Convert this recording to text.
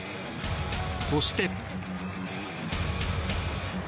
そして。